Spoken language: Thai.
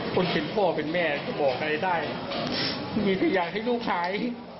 คนเป็นพ่อเป็นแม่จะบอกใจมีอะไรอยากให้ลูกขาย